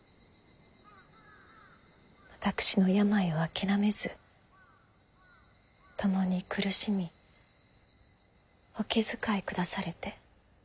私の病を諦めず共に苦しみお気遣いくだされて。